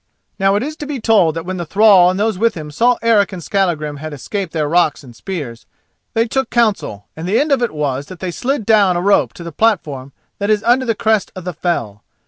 Now it is to be told that when the thrall and those with him saw Eric and Skallagrim had escaped their rocks and spears, they took counsel, and the end of it was that they slid down a rope to the platform that is under the crest of the fell.